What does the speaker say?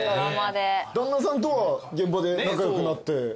旦那さんとは現場で仲良くなって。